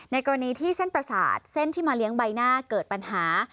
กรณีที่เส้นประสาทเส้นที่มาเลี้ยงใบหน้าเกิดปัญหา